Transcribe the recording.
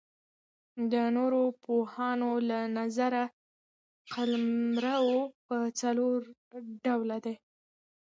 د نورو پوهانو له نظره قلمرو پر څلور ډوله دئ.